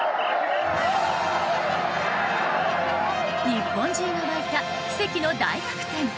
日本中が沸いた奇跡の大逆転。